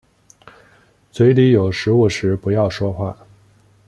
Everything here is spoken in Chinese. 嘴里有食物时不要说话。